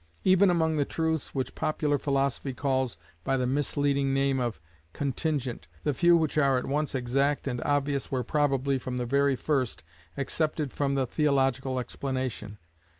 Even among the truths which popular philosophy calls by the misleading name of Contingent the few which are at once exact and obvious were probably, from the very first, excepted from the theological explanation.